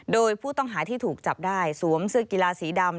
โดยผู้ต้องหาที่ถูกจับได้สวมเสื้อกีฬาสีดำ